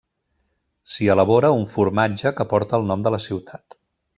S'hi elabora un formatge que porta el nom de la ciutat.